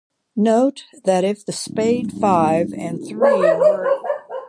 Note that if the spade five and three were exchanged the squeeze still works.